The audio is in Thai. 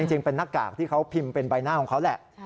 จริงเป็นหน้ากากที่เขาพิมพ์เป็นใบหน้าของเขาแหละ